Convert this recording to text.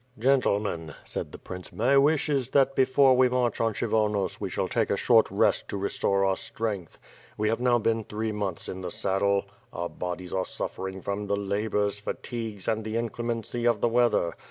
"Gentlemen," said the prince, "my wish is that before we march on Kshyvonos we shall take a short rest to restore our strength. We have now been three months in the saddle; our bodies are suflFering from the labors, fatigues, and the inclemency of the weather.